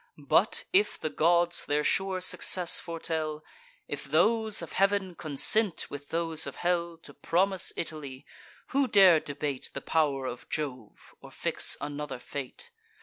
But, if the gods their sure success foretell; If those of heav'n consent with those of hell, To promise Italy; who dare debate The pow'r of Jove, or fix another fate?